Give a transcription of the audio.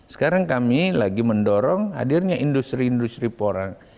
sekarang kami lagi mendorong hadirnya industri industri porang